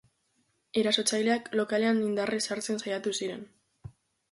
Erasotzaileak lokalean indarrez sartzen saiatu ziren.